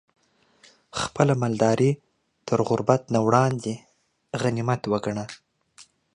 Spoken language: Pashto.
خپله مالداري تر غربت نه وړاندې غنيمت وګڼه